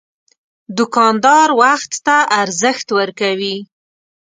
دوکاندار وخت ته ارزښت ورکوي.